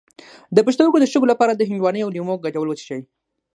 د پښتورګو د شګو لپاره د هندواڼې او لیمو ګډول وڅښئ